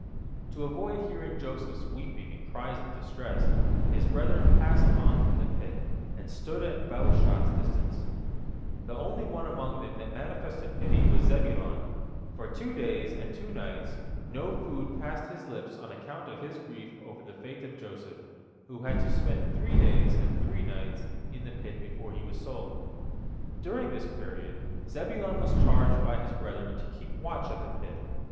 To avoid hearing Joseph's weeping and cries of distress, his brethren passed on from the pit, and stood at a bow shot's distance. The only one among them that manifested pity was Zebulon. For two days and two nights no food passed his lips on account of his grief over the fate of Joseph, who had to spend three days and three nights in the pit before he was sold. During this period Zebulon was charged by his brethren to keep watch at the pit.